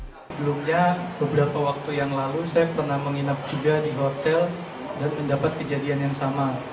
sebelumnya beberapa waktu yang lalu saya pernah menginap juga di hotel dan mendapat kejadian yang sama